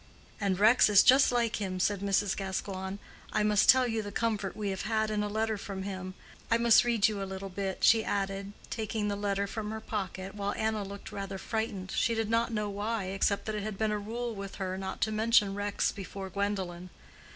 "And Rex is just like him," said Mrs. Gascoigne. "I must tell you the comfort we have had in a letter from him. I must read you a little bit," she added, taking the letter from her pocket, while Anna looked rather frightened—she did not know why, except that it had been a rule with her not to mention Rex before Gwendolen.